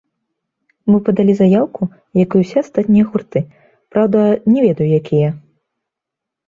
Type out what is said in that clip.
Мы падалі заяўку, які і ўсе астатнія гурты, праўда, не ведаю, якія.